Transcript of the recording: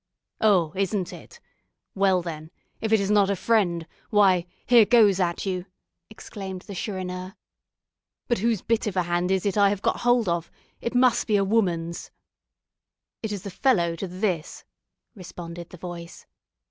"Oh! isn't it? Well, then, if it is not a friend, why, here goes at you," exclaimed the Chourineur. "But whose bit of a hand is it I have got hold of? It must be a woman's!" "It is the fellow to this," responded the voice.